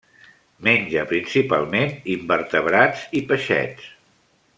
Menja principalment invertebrats i peixets.